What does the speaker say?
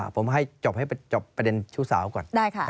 ประเด็นชู้สาวก่อน